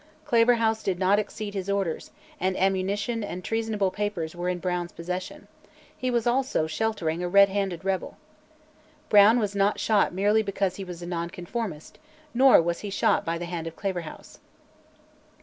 Claverhouse did not exceed his orders, and ammunition and treasonable papers were in Brown's possession; he was also sheltering a red handed rebel. Brown was not shot merely "because he was a Nonconformist," nor was he shot by the hand of Claverhouse.